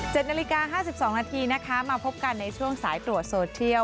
นาฬิกาห้าสิบสองนาทีนะคะมาพบกันในช่วงสายตรวจโซเทียล